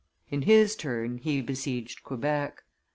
In his turn he besieged Quebec.